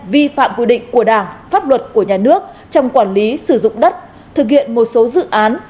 vi phạm quy định của đảng pháp luật của nhà nước trong quản lý sử dụng đất thực hiện một số dự án